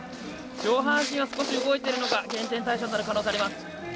上半身は少し動いているのが減点対象になる可能性あります。